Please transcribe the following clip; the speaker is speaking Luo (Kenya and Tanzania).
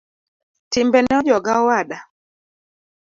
Timbene ojoga owada.